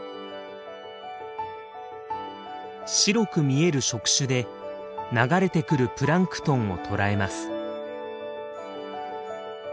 白く見える触手で流れてくるプランクトンを捕らえます。